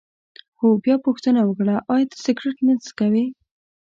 هغه بیا پوښتنه وکړه: ایا ته سګرېټ نه څکوې؟